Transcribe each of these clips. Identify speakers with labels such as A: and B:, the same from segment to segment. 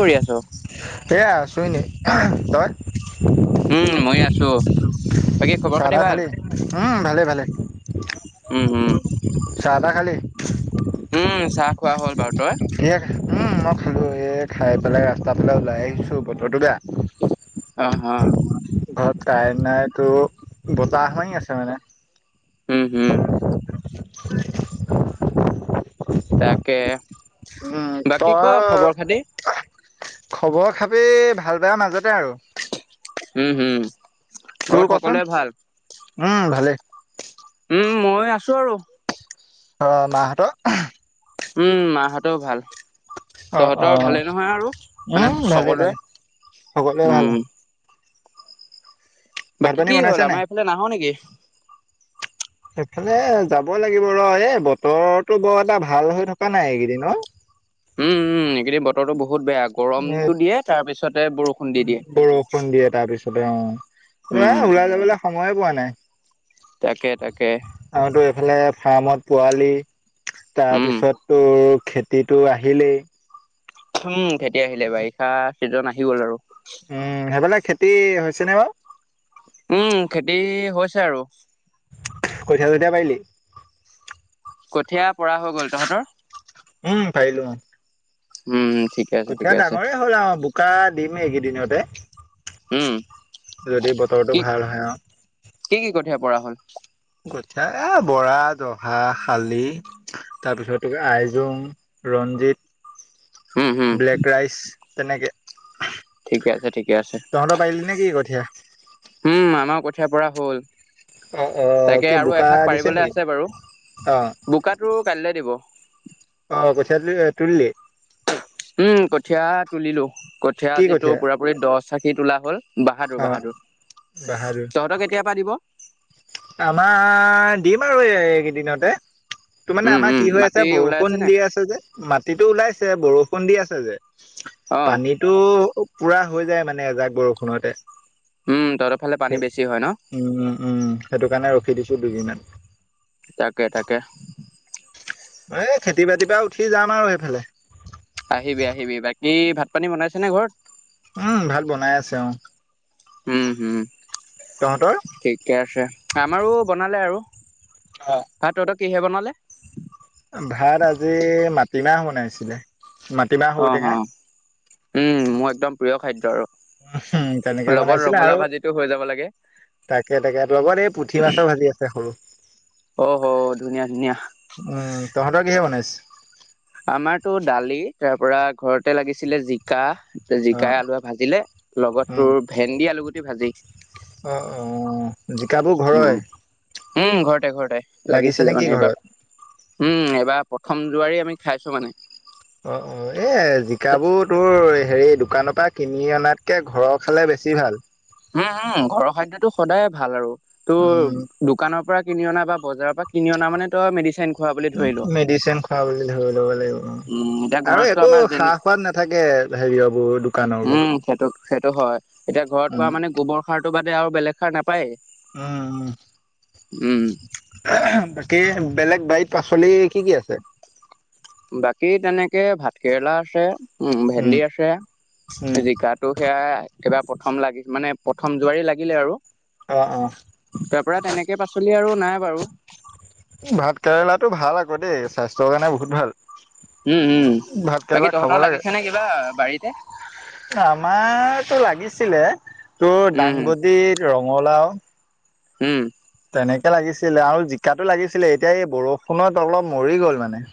A: কৰি আছ?
B: এয়া আছোঁ তই
A: উম মই আছো বাকী খবৰ খাতি
B: চাধা
A: ভাল
B: খালি, উম ভালে ভালে
A: উম হম
B: চাহাদা খালি [unintelligible]
A: উম চাহ খোৱা হ'ল ভাত
B: এ [unintelligible] উম মই খালো, এই খাই পেলাই ৰাস্তা পালে ওলাই আহিছো বতৰটো বেয়া।
A: অ', অ'।
B: ঘৰত কাৰেণ্ট নাই তো বতাহ মাৰি আছে মানে,
A: হম, হম।
B: [unintelligible]
A: তাকে,
B: উম
A: বাকী
B: তই
A: ক খবৰ খাতি।
B: খবৰ খাপি ভাল বায় মাজতে আৰু [unintelligible]
A: উম, হম, ঘৰত
B: তোৰ কচোন
A: সকলোৰে ভাল?
B: উম, ভালে।
A: উম, মই আছো আৰু,
B: অ মাহঁতৰ [inaudible]
A: উম মাৰ হতোওঁ ভাল।
B: অ অ
A: তহঁতৰ ভালে নহয় আৰু, মানে সকলোৱে।
B: হ'বলে ভাল
A: উম
B: [unintelligible] [unintelligible] ভাত
A: বাকী
B: পানী
A: কি
B: বনাইছে
A: হ'ল
B: নাই
A: আমাৰ এইফালে নাহ নেকি।
B: এইফালে যাব লাগিব ৰ এ বতৰটো বৰ এটা ভাল হৈ থকা নাই এইকেইদিন [inaudible]
A: উম, উম কিদিন বতৰটো বহুত বেয়া
B: এ
A: গৰমতটো দিয়ে তাৰ পিছতে বৰষুণ দি দিয়ে
B: বৰষুণ দিয়ে
A: [unintelligible]
B: অ তাৰপিছতে কিন্তু
A: উম
B: এই ওলাই যাবলৈ সময়ে পোৱা নাই।
A: তাকে তাকে
B: আৰু তো এইফালে ফাৰ্মত পোৱালি
A: উম
B: তাৰপিছত তোৰ [unintelligible] খেতিটো আহিলেই
A: উম খেতি আহিলে বাৰিষা চিজন আহি গল আৰু [inaudible]
B: উম সেইফালে খেতি হৈছে নে বাৰু,
A: উম, খেতি হৈছে আৰু
B: কঠীয়া-চঠীয়া পাৰিলি?
A: কঠীয়া পৰা হৈ গ'ল, তহঁতৰ?
B: উম, পাৰিলোঁ, অ'।
A: উম। ঠিকে আছে
B: কঠীয়া
A: ঠিকে আছে
B: ডাঙৰেই হ'ল আৰু বোকা দিম এইকেইদিনতে
A: উম।
B: যদি বতৰটো
A: কি
B: ভাল হয় আৰু
A: কি, কি কঠীয়া পৰা হ'ল?
B: কঠীয়া এ, বৰা, জহা, শালি তাৰপিছতে, এই আইজোং, ৰঞ্জিত,
A: উম হম
B: ব্লেক ৰাইচ তেনেকে
A: ঠিকে আছে ঠিকে আছে
B: তহঁতৰ পাৰিলি নে কি কঠীয়া
A: উম আমাৰ ক কথিয়া পৰা হ'ল।
B: অ অ
A: তাকে
B: কি
A: আৰু
B: বোকা
A: এভাগ
B: দিছে
A: পাৰিবলে
B: নেকি
A: আছে বাৰু
B: অ
A: বোকাটো। কাইলে দিব।
B: অ কঠীয়া তুলি তুলিলি।
A: উম কঠীয়া তুলিলো কঠিয়া
B: কি
A: আজি টোৰ
B: কঠীয়া
A: পুৰা পুৰি দহ চাখি তোলা হ'ল। বাহাদুৰ
B: অ
A: বাহাদুৰ
B: বাহাদুৰ
A: তহঁতৰ কেতিয়া পৰা দিব।
B: আমাৰ দিম আৰু এই এইকেইদিনতে। তোৰ মানে
A: উম
B: আমাৰ
A: উম
B: কি হৈ আছে
A: মাটি ওলাই
B: বৰষুণ
A: নে
B: দি আছে যে মাটিতো ওলাইছে বৰষুণ দি আছে যে।
A: অ
B: পানীটো পুৰা হৈ যায় মানে এজাক বৰষুণতে।
A: উম তহঁতৰ ফালে পানী বেছি হয় ন
B: উম উম, সেইটো ৰখি দিছো দুইদিনমান।
A: তাকে তাকে
B: এ খেতি বাতিৰ পৰা উঠি যাম আৰু সেইফালে।
A: আহিবি আহিবি বাকী ভাত পানী বনাইছেনে ঘৰত।
B: উম ভাত বনাই আছে অ,
A: উম হুম,
B: তহঁতৰ
A: ঠিকে আছে আমাৰো বনালে আৰু ভাত তহঁতক, কিহে বনালে।
B: ভাত আজি [unintelligible] বনাইছিলে। মাটিমাহ
A: অ হ
B: ঔটেঙা
A: উম মোৰ একদম প্ৰিয় খাদ্য আৰু
B: উ তেনেকে
A: লগত
B: বনাইছিলে
A: ৰঙালাও
B: আৰু
A: ভাজিটো হৈ যাব লাগে
B: তাকে তাকে লগত এই পুঠি মাছৰ ভাজি আছে সৰু, উম
A: অ হ ধুনীয়া ধুনীয়া
B: তহঁতৰ কিহে বনাইছে।
A: আমাৰতো দালি তাৰ পৰা ঘৰতে লাগিছিলে জিকা।
B: অ',
A: জিকাই আলুুৱে ভাজিলে লগত
B: উম,
A: তোৰ ভেন্দি আলুগুটি ভাজি।
B: অ', অ', জিকাবোৰ ঘৰৰে?
A: উম উম, ঘৰতে-ঘৰতে
B: লাগিছে নে
A: লাগিছিলে
B: কি
A: মানে এইবাৰ।
B: ঘৰত?
A: উম এইবাৰ প্ৰথম যোৱাৰি আমি খাইছো মানে
B: অ অ এ জিকাবোৰ তোৰ হেৰি দোকানৰ পৰা কিনি অনাতকে ঘৰৰ খালে বেছি ভাল
A: উম উম ঘৰৰ খাদ্যটো সদায়ে ভাল আৰু তোৰ
B: উম,
A: দোকানৰ পৰা কিনি অনা বা বজাৰৰ পৰা কিনি অনা মানে তই মেডিচিন খোৱা বুলি ধৰি ল
B: মেডিচিন খোৱা বুলি ধৰি ল'ব লাগিব অ
A: উম এতিয়া
B: আৰু
A: ঘৰততো
B: একো
A: আমাৰ
B: সা
A: যেনে
B: সোৱাদ নাথাকে হেৰিয়াবোৰ দোকানৰ বোৰ
A: উম, সেইটো সেইটো হয় এতিয়া ঘৰত ৰোৱা মানে গোবৰ সাৰটো বাদে আৰু বেলেগ সাৰ না [unintelligible]
B: উম উম বাকী বেলেগ বাৰীত পাচলি কি কি আছে
A: বাকী তেনেকে ভাত কেৰেলা আছে উম, ভেন্দি আছে,
B: উম,
A: জিকাটো সেয়াই এইবাৰ প্ৰথম লাগি মানে প্ৰথম যোৱাৰী লাগিলে আৰু।
B: অ', অ',
A: তাৰ পৰা তেনেকে আৰু পাচলি আৰু নাই বাৰু।
B: ভাত কেৰেলাটো ভাল আকৌ দেই, স্বাস্থ্যৰ কাৰণে বহুত ভাল।
A: উম, উম,
B: ভাত কেৰেলা
A: বাকী
B: খাব
A: তহঁতৰ
B: লাগে।
A: লাগিছেনে কিবা বাৰীতে?
B: আমাৰতো লাগিছ ছিলে তোৰ
A: উম,
B: দাংবদী, ৰঙালাও।
A: উম।
B: তেনেকে লাগিছিলে আৰু জিকাটো লাগিছিলে, এতিয়া এই বৰষুণত অলপ মৰি গ'ল মানে।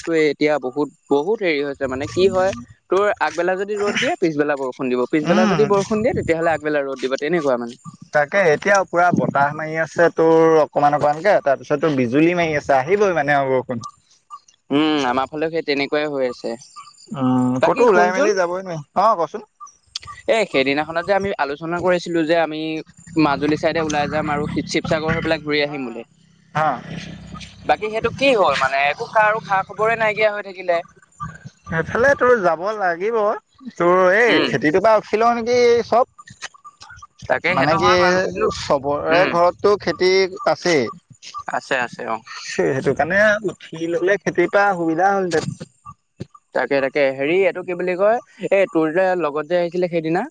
A: টোৱে এতিয়া বহুত, বহুত হেৰি হৈ ছে, মানে কি হয়, তোৰ আগবেলা যদি ৰ'দ দিয়ে, পিছবেলা বৰষুণ দিব, পিছবেলা
B: উম
A: যদি বৰষুণ দিয়ে, তেতিয়াহ'লে আগবেলা ৰ'দ দিব তেনেকুৱা মানে।
B: তাকে এতিয়া পুৰা বতাহ মাৰি আছে, তোৰ অকমান অকমানকে তাৰপিছত তোৰ বিজুলী মাৰি আছে আহ দিবই মানে আৰু বৰষুণ।
A: উম' আমাৰ ফালেও সেই তেনেকুৱাই হৈ আছে।
B: উম কতো ওলাই মেলি যাবই নোৱাৰি অ' কচোন।
A: স্ত। এ সেইদিনাখনত যে আমি আলোচনা কৰিছিলো যে আমি মাজুলী চাইডে ওলাই যাম আৰুি শিৱ- শিৱসাগৰ। গৈ পেলাই ঘূৰি আহিম বুলি।
B: অ'।
A: বাকী সেইটো কি হ'ল মানে একো খা আৰু খা খবৰে নাইকিয়া হৈ থাকিলে।
B: সেইফালে তোৰ যাব লাগিব তোৰ এই
A: উম
B: খেতিটোৰ পা উঠিলও নেক। কি
A: তাকে
B: চব মানে
A: সেইটো
B: কি
A: হয় বাৰু কিন্তু
B: চবৰে
A: উম
B: ঘৰতো খেত। তিক আছেই।
A: আছে, আছে। অ
B: সেইটো কাৰণে উঠি ললে খেতিৰ পৰা সুবিধা হ'লহেঁতেন।
A: তাকে তাকে হেৰি এইটো কি বুলি কয়, এই তোৰ যে লগত যে আহিছিলে সেইদিনা।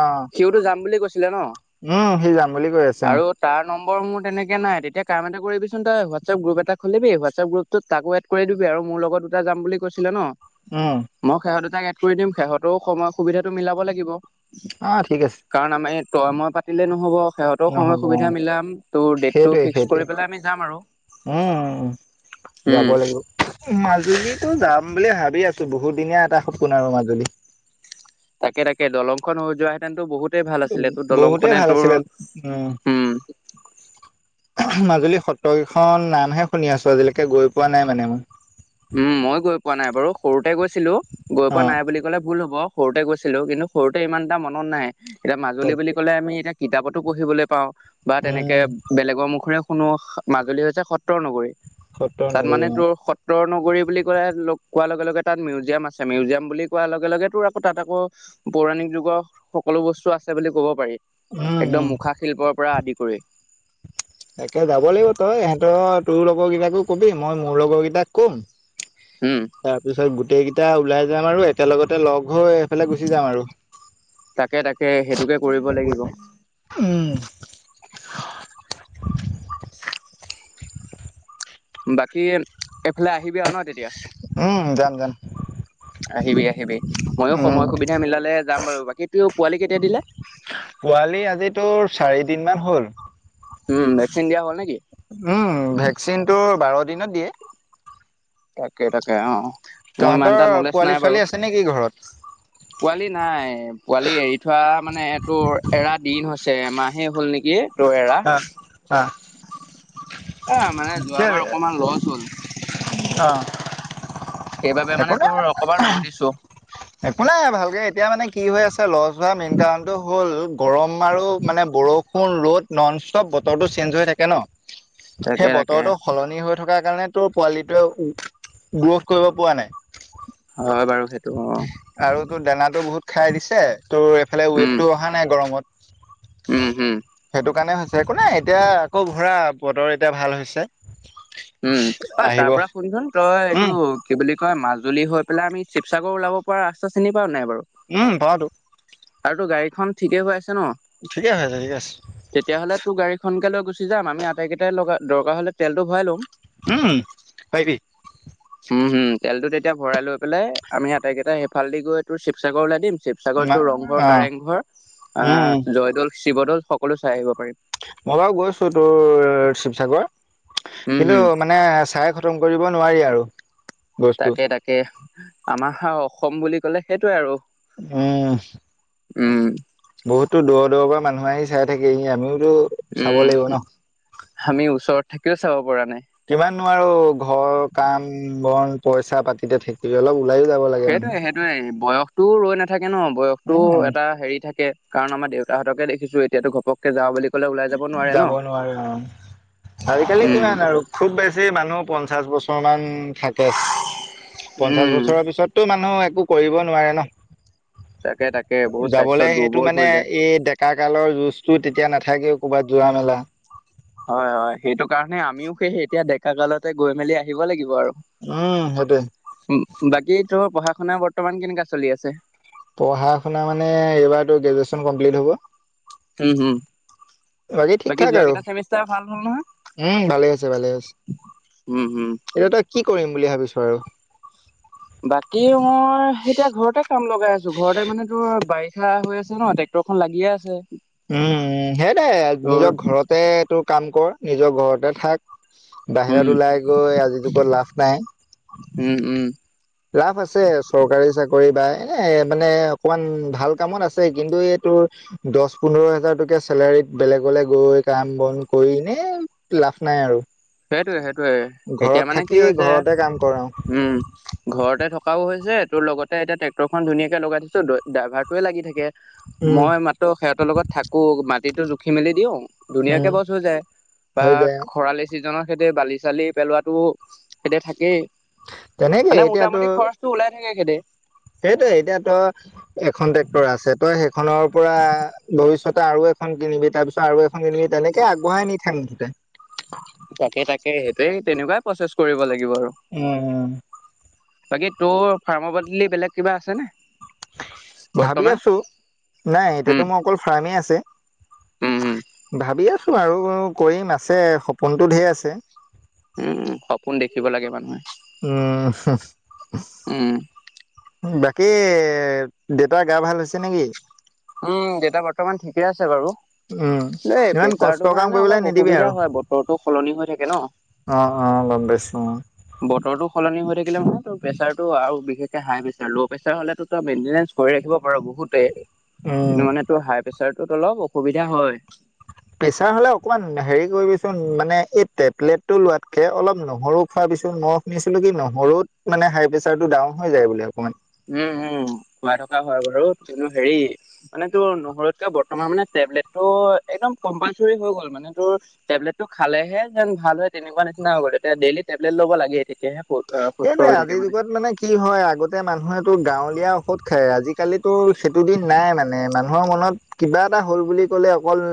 B: অ',
A: সিওতো যাম বুলি কৈছিলে ন'
B: উম, সি যাম বুলি কৈ আছে অ',
A: আৰু তাৰ। নম্বৰ মোৰ তেনেকে নাই, তেতিয়া কাম এটা কৰিবিচোন তই হোৱাটছাপ গ্ৰুপ এটা খুলিবি, হোৱাটছাপ গ্ৰুপটোত তাকো এড কৰি দিবি। আৰু মোৰ লগত দুটা যাম বুলি কৈছিলে ন
B: উম,
A: মই সেহঁত দুটাক এড কৰি দিম, সেহঁতও সময় সুবিধাটো মিলাব লাগিব।
B: অ' ঠিক আছে।
A: কাৰণ আমি তই মই পাতিলে নহ'ব। সিহঁতেও সময়
B: নহ'ব
A: সুবিধা
B: অ'।
A: মিলাম শ, তোৰ ডেটটো
B: সেইটোৱে
A: ফিক্স
B: সেইটোৱে
A: কৰি পেলাই আমি যাম আৰু।
B: উম, যাব
A: উম
B: লাগিব [unintelligible] মাজুলি। তো যাম বুলি ভাবি আছো বহুতদিনীয়া এটা সপোন আৰু মাজুলী।
A: তাকে তাকে দলংখন হৈ যোৱা হেতেনতু বহুত তে ভাল আছিলে তোৰ
B: বহুতেই
A: দলংখনে
B: ভাল
A: তোৰ
B: আছিলে
A: উম'।
B: অহ মাজুলী সত্ৰকেইখন নামহে শুনি আছো, আজিলৈকে গৈ পোৱা নাই মানে মই।
A: উম, মই গৈ পোৱা নাই বাৰু সৰুতে গৈছিলোঁ, গৈ পোৱা
B: অ',
A: নাই বুলি ক'লে ভুল হ'ব। সৰুতে গৈছিলোঁ, কিন্তু সৰুতে ইমান এটা মনত নাই, এতিয়া মাজুলী বুলি
B: তাকে
A: ক'লে আমি এতিয়া কিতাপতো পঢ়িবলৈ পাওঁ, বা তেনেকে
B: উম,
A: বেলেগৰ মুখেৰে শুনোঁ, মাজুলী হৈছে সত্ৰৰ নগৰী।
B: সত্ৰৰ নগৰী অ'।
A: সত্ৰৰ নগৰী বুলি ক'লে কোৱাৰ লগে, লগে তাত মিউজিয়াম আছে, মিউজিয়াম বুলি কোৱাৰ লগে, লগে তোৰ আকৌ তাত আকৌ পৌৰাণিক যুগৰ সকলো বস্তু আছে বুলি ক'ব পাৰি।
B: উম, উম।
A: একদম মুখা শিল্পৰ পৰা আদি কৰি।
B: তাকে যাব লাগিব তই এহঁতৰ তোৰ লগৰ কিটাকো কবি, মই মোৰ লগৰ কিটাক ক'ম।
A: উম
B: তাৰ পিছত গোটেই গিটা ওলাই যাম আৰু একেলগতে লগ হৈ এইফালে গুচি যাম আৰু।
A: তাকে, তাকে সেটোকে কৰিব লাগিব।
B: উম,
A: বাকী এইফালে আহিবি আৰু ন তেতিয়া
B: উম, যাম যাম
A: আহিবি, আহিবি ময়ো
B: উম,
A: সময় সুবিধা মিলালে যাম বাৰু বাকী তো পোৱালি কেতিয়া দিলে [inaudible]
B: পোৱালি আজি তোৰ চাৰি দিন মান হ'ল
A: ভেকচিন দিয়া হ'ল নেকি
B: উম, ভেকচিনটো বাৰ দিনত দিয়ে
A: তাকে, তাকে অ', মোৰ ইমান
B: তহঁতৰ
A: এটা নলেজ
B: পোৱালি
A: নাই বাৰু
B: ছোৱালী আছে নেকি ঘৰত
A: পোৱালি নাই পোৱালি এৰি থোৱা মানে এইটো এৰা দিন হৈছে এমাহ সেই হ'ল নেকি তয় এৰা
B: অ', অ',
A: এ মানে
B: কেলে
A: যোৱাবাৰ অকমান লছ হ'ল
B: অ',
A: সেইবাবে মানে
B: একো নাই
A: তোৰ অকবাৰ ৰৈ দিছো
B: একো নাই ভালকে এতিয়া মানে কি হৈ আছে লছ হোৱা মেইন কাৰণটো হ'ল গৰম আৰু মানে বৰষুণ ৰ'দ ননষ্টপ বতৰটো চেঞ্জ হৈ থাকে ন
A: তাকে
B: সেই
A: তাকে
B: বতৰটো সলনি হৈ থক [unintelligible] কাৰণে তোৰ পোৱালিটোৱে গ্ৰঠ কৰিব পৰা নাই
A: হয়, বাৰু সেইটো অ',
B: আৰু তোৰ দানাটো বহুত খাই দিছে তোৰ এইফালে
A: উম
B: ৱেটতটো অহা নাই গৰমত
A: উম, হম।
B: সেইটো কাৰণে হৈছে একো নাই এতিয়া আকৌ ভৰা বতৰ এতিয়া ভাল হৈছে
A: উম, অ [unintelligible]
B: আহিব
A: পৰা শুনচোন তই এইটো
B: উম।
A: কি বুলি কয় মা [unintelligible] [unintelligible] হৈ পেলাই আমি শিৱসাগৰ ওলাব পৰা ৰাস্তা চিনি পাও নাই বাৰু
B: উম পাওঁতো
A: আৰু তো গাড়ীত এখন ঠিকে হৈ [unintelligible] [unintelligible]
B: ঠিকে আছে ঠিকে আছে
A: তেতিয়াহলে তোৰ গাড়ীখন লৈ গুচি যাম আমি আটাইকেইটা ল দৰকাৰ হ'লে তেলটো ভৱাই ল'ম।
B: উম, পাইবি।
A: হুম হুম তেলটো তেতিয়া ভৰাই লৈ পেলাই আমি আটাইকেইটা সেইফালদি গৈ তোৰ শিৱসাগৰ ওলাই দিম। শিৱসাগৰতো
B: অ
A: ৰংঘৰ-কাৰেংঘৰ
B: উম
A: আহ জয়দৌল-শিৱদৌল সকলো চাই আহিব পাৰিম।
B: মই বাৰু গৈছো তোৰ শিৱসাগৰ।
A: উম হুম
B: কিন্তু মানে চাই খতম কৰিব নোৱাৰি আৰু। বস্তু
A: তাকে তাকে আমাৰ আ অসম বুলি ক'লে সেইটোয়ে আও
B: উম।
A: উম।
B: বহুততো দূৰৰ দূৰৰ পৰা মানুহ আহি চাই থাকেহি। আমিও তো চাব
A: উম
B: লাগিব ন
A: আমি ওচৰত থাকিও চাব পৰা নাই
B: কিমাননো আৰু ঘৰ কাম-বন পইচা পাতিতে থাকিবি অলপ ওলাইও যাব লাগে মানুহ
A: সেইটোয়ে-সেইটোয়ে বয়সটোও ৰৈ নাথাকে ন' বয়সটো
B: উম
A: এটা হেৰি থাকে কাৰণ আমাৰ দেউতাহঁতকে দেখিছো এতিয়াতো ঘপককে যা বুলি ক'লে ওলাই নোৱাৰে ন
B: যাব নোৱাৰে অ, আজিকালি
A: উম
B: কিমান আৰু খুব বেছি মানুহ পঞ্চাশ বছৰ মান থাকে পঞ্চাশ
A: উম
B: বছৰৰ পিছতটো মানুহ এক একো কৰিব নোৱাৰে ন'।
A: তাকে তাকে বহুত স্বাস্থ্য
B: যাবলে সেইটো
A: দুৰ্বল
B: মানে
A: হৈ যায়
B: এই ডেকা কালৰ যোজ। [unintelligible] তেতিয়া নাথাকেও ক'বাত যোৱা মেলা
A: হয়-হয় সেইটো কাৰণে আমিও সেই এতিয়া ডেকা কালতে গৈ মেলি আহিব লাগিব আৰু।
B: উম সেইটোৱে
A: বাকীতো পঢ়া-শুনা বৰ্তমান কেনেকা চলি আছে।
B: পঢ়া-শুনা মানে এইবাৰতো গ্ৰেজুৱেশ্বন কমপ্লিট হ'ব।
A: উম, হম।
B: বাকী ঠিক ঠাক
A: যোৱা
B: আৰু
A: কেইটা চেমিষ্টাৰ ভাল হ'ল নহয়
B: উম, ভালে আছে -ভালে আছে।
A: উম হম
B: এতিয়া তই কি কৰিম বুলি ভাবিছো আৰু
A: বাকী মই এতিয়া ঘৰতে কাম লগাই আছো ঘৰতে মানে তোৰ বাই শা হৈ আছে ন ট্ৰেক্টৰ খন লাগিয়ে আছে
B: উম, সেইয়টাই
A: তোৰ
B: নিজৰ ঘৰতে তোৰ কাম কৰ নিজৰ ঘৰতে থাক।
A: উম
B: বাহিৰত ওলাই গৈ আজি যুগত লাভ নাই।
A: উম উম
B: লাভ আছে চৰকাৰী চাকৰি বা এনে মানে অকমান ভাল কামত আছে কিন্তু এইটো দহ পোন্ধৰ হেজাৰ টকীয়া চেলাৰী বেলেগলে গৈ কাম বন কৰিনে লাভ নাই আৰু।
A: সেইটোয়ে-সেইটোয়ে এতিয়া
B: ঘৰত
A: মানে কি
B: থাকি
A: হৈছে
B: ঘৰতে কাম কৰা
A: উম, ঘৰতে থকাও হৈছে তোৰ লগতে এতিয়া ট্ৰে্টৰখন ধুনীয়াকে লগাই থৈছে ড্ৰাইভাৰটোৱে লাগি থাকে
B: উম
A: মই মাত্ৰ সিহঁতৰ লগত থাকো মাটিতো জুখি মেলি দিওঁ ধুনীয়াকে
B: উম
A: বচ হৈ যায় বা
B: হৈ যায় আৰু
A: খৰালি সিজনৰ সেহতে বালি চালি পেলোৱাতো সিহঁতে থাকেই।
B: তেনেকে
A: মানে মোটামুটি খৰচটো ওলাই থাকেখেতে।
B: সেইটোয়ে এতিয়া তই এখন ট্ৰেক্টৰ আছে তই সেইখনৰ পৰা ভবিষ্যতে আৰু এখন কিনিবি তাৰপিছত আৰু এখন কিনিবি তেনেকে আগবঢ়াই নি থাক মুঠতে
A: এই সেইটোৱে তেনেকুৱাই প্ৰচেছ কৰিব লাগিব। আৰু
B: উম-উম।
A: বাকী তোৰ ফাৰ্ম পলি বেলেগ কিবা আছেনে।
B: ভাবি
A: বৰ্তমান
B: আছো নাই
A: উম
B: এতিয়াতো মোৰ অকল ফাৰ্মেই আছে।
A: উম উম
B: ভাবি আছো আৰু কৰিম আছে সপোনতটো ধেৰ আছে।
A: উম, সপোন দেখিব লাগে মানুহে।
B: উম, হমহ,
A: উম
B: বাকী দেউতা গা ভাল হৈছে নেকি
A: উম দেউতা বৰ্তমান ঠিকে আছে বাৰু
B: উম
A: দেই
B: ইমান কষ্ট
A: প্ৰেচাৰটো
B: কাম
A: কাৰণে
B: কৰিবলৈ
A: অলপ
B: নিদিবি
A: অসুবিধা
B: আৰু
A: হয় বতৰটো সলনি হৈ থাকে ন
B: অ', অ', গম পাইছো।
A: বতৰটো সলনি হৈ মানে ত প্ৰেছাৰতটো আৰু বিশেষকে হাই প্ৰেছাৰ ল' প্ৰেছাৰ হ'লেতো তই মেইনটেনেঞ্চ কৰি ৰাখিব পাৰো বহুতে কিন্তু
B: উম
A: মানে তটো হাই প্ৰেচাৰটোত অলপ অসুবিধা হয়।
B: প্ৰেছাৰ হলে অকমান হেৰি কৰিবিচোন মানে এই টেবলেটটো লোৱাতকে অলপ নহৰু খোৱা মই শুনিছিলো কি নহৰুত মানে হাই প্ৰেছাৰ টো ডাউন হৈ যায় বুলি অকণমান।
A: উম উম খুৱাই থকা হয় বাৰু কিন্তু হেৰি মানে তোৰ নহৰুৰতকে বৰ্তমান মানে বলেটো একম কম্পালচৰি হৈ গল মানে তোৰ টেবলেটটো খালেহে যেন ভাল হয় তেনেকুৱা। ডেইলি টেবলেট ল'ব লাগে তেতিয়াহে। সুস্থ
B: সেইটোৱে
A: হৈ থাকে
B: আজিৰ যুগত মানে কি হয় আগতে। মানুহেতো গাঁৱলীয়া ঔষধ খায় আজিকালিতো সেইটো দিন নাই মানে মানুহৰ মনত কিবা এটা বুলি কলে অকল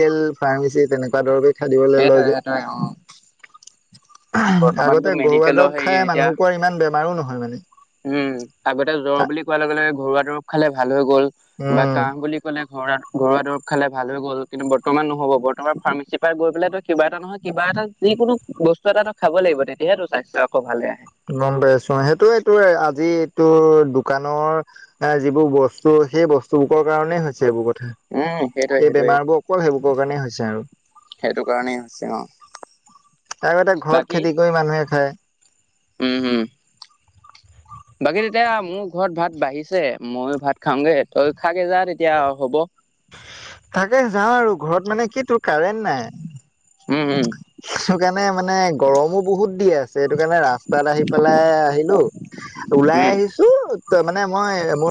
B: কেল ফাৰ্মেচী তেনেকুৱা দৰৱেই খাদিবলৈ লয়
A: সেইটোৱে
B: যায়।
A: সেইটোৱে অ বৰ্তমানতো
B: আগতে ঘৰুৱা
A: মেডিকেলৰ
B: দৰৱ
A: হেৰি
B: খাই
A: এতিয়া
B: মানুহ কোৱাৰ ইমান বেমাৰো নহয় মানে।
A: উম আগতে জ্বৰ বুলি কোৱাৰ লগে লগে ঘৰুৱা দৰৱ খালে ভাল হৈ। গ'ল বা
B: উম
A: কাহ বুলি ক'লে ঘৰত। ঘৰুৱা দৰৱ খালে ভাল হৈ গ'ল কিন্তু বৰ্তমান নহ'ব বৰ্তমান ফাৰ্মাচীৰ পৰা গৈ পেললে তটো কিবা এটা নহয় কিবা এটা। যি কোনো বস্তু এটা নো খাব লাগিব তেতিয়াহে স্বাস্থ্য আকৌ ভালে।
B: গম পাইছো সেইটো এইটো আজি এইটো দোকানৰ এ যিবোৰ বস্তু। সেই বস্তু বুকৰ কাৰণেই হৈছে এই বুত
A: উম সেইটোৱে
B: এই
A: সেইটোৱে
B: বেমাৰ বোৰ অকল সেইবোৰ কাৰণে হৈছে আৰু
A: সেইটো কাৰণেই হৈছে অ।
B: আগতে ঘৰত
A: বাকী
B: খেতি কৰি মানুহে
A: উম
B: খায়।
A: হম বাকী তেতিয়া মোৰ ঘৰত ভাত বাঢ়িছে ময়ো ভাত খাওঁগে তই। খাগে যা তেতিয়া হ'ব।
B: তাকে যাওঁ আৰু ঘৰত মানে কি তোৰ কাৰেণ্ট নাই।
A: উম উম
B: সেইটো কাৰণে মানে গৰমো বহুত দি আছে সণটো কাৰণে ৰাস্তাত আহি পেলাই আহিলো ওলাই
A: উম
B: আহিছো ত মানে মই মোৰ